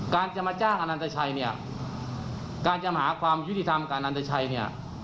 การจำหาความยุติธรรมการอันตราชัยเนี้ย